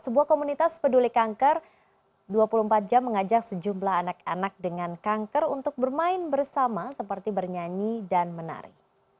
sebuah komunitas peduli kanker dua puluh empat jam mengajak sejumlah anak anak dengan kanker untuk bermain bersama seperti bernyanyi dan menari